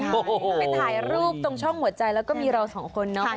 ไปถ่ายรูปตรงช่องหัวใจแล้วก็มีเราสองคนเนาะ